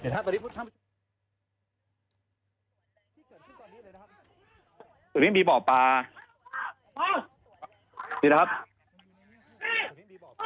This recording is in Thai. ตรงนี้มีบ่อปลา